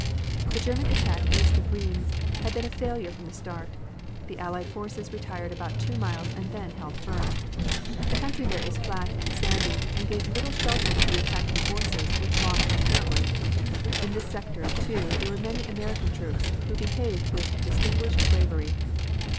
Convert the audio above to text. The German attack east of Rheims had been a failure from the start. The Allied forces retired about two miles and then held firm. The country there is flat and sandy and gave little shelter to the attacking forces which lost terribly. In this sector, too, there were many American troops, who behaved with distinguished bravery.